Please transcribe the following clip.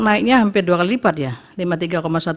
naiknya hampir dua kali lipat ya